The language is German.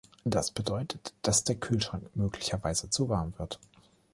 Das bedeutet, dass der Kühlschrank möglicherweise zu warm wird.